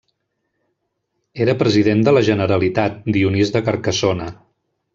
Era President de la Generalitat Dionís de Carcassona.